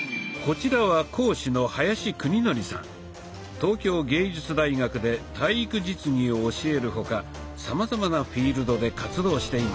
東京藝術大学で体育実技を教える他さまざまなフィールドで活動しています。